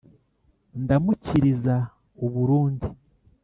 ndamukiriza u burundi